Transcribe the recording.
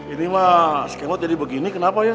ini mah si kimot jadi begini kenapa ya